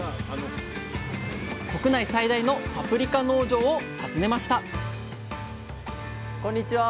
国内最大のパプリカ農場を訪ねましたこんにちは。